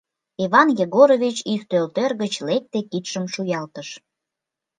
Иван Егорович ӱстелтӧр гыч лекте, кидшым шуялтыш.